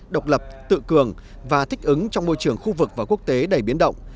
độc lập tự cường và thích ứng trong môi trường khu vực và quốc tế đầy biến động